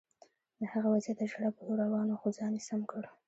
د هغه وضعیت د ژړا په لور روان و خو ځان یې سم کړ